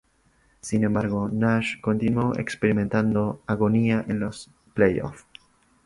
Sin embargo, Nash continuó experimentando agonía en los playoffs.